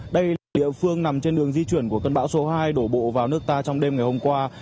đây là địa phương nằm trên đường di chuyển của cơn bão số hai đổ bộ vào nước ta trong đêm ngày hôm qua